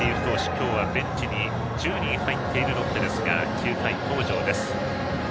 今日はベンチに１０人入っているロッテですが９回、東條です。